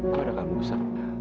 kau udah kan musa